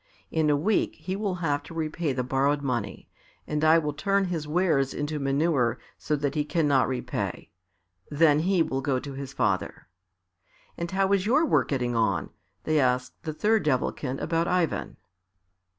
In a week he will have to repay the borrowed money, and I will turn his wares into manure so that he cannot repay, then he will go to his father." "And how is your work getting on?" they asked the third Devilkin about Ivan.